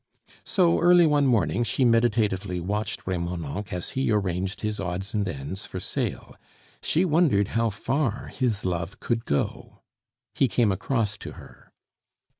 So early one morning, she meditatively watched Remonencq as he arranged his odds and ends for sale. She wondered how far his love could go. He came across to her.